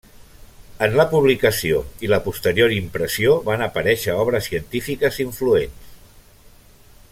En la publicació i la posterior impressió van aparèixer obres científiques influents.